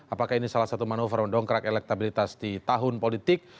apakah ini salah satu manuver mendongkrak elektabilitas di tahun politik